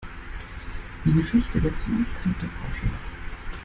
Die Geschichte dazu kannte Frau Schiller.